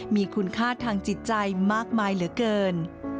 มีคุณค่าทางจิตใจมากมายเหลือเกิน